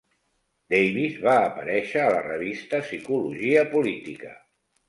Davis va aparèixer a la revista "Psicologia política".